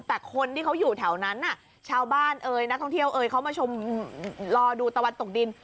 แต่คนที่เขาอยู่แถวนั้นชาวบ้านเอ่ยนักท่องเที่ยวเอ่ยเขามาชมรอดูตะวันตกดิน